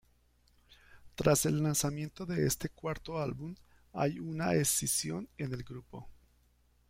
Tras el lanzamiento de este cuarto álbum, hay una escisión en el grupo.